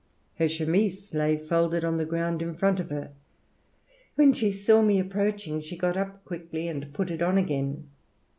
Her chemise lay folded on the ground in front of her. When she saw me approaching, she got up quickly and put it on again.